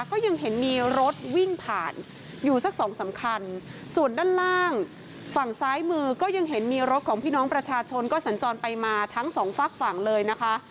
ก็ยังเห็นมีรถวิ่งผ่านอยู่สักสองสามคันส่วนด้านล่างฝั่งซ้ายมือก็ยังเห็นมีรถของพี่น้องประชาชนก็สัญจรไปมาทั้งสองฝากฝั่งเลยนะคะ